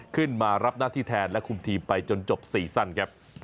ขึ้นมารับหน้าที่แทนและคุมทีมไปจนจบซีซั่นครับ